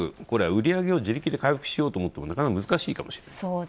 これは売り上げを自力で回復しようと思ってもなかなか難しい。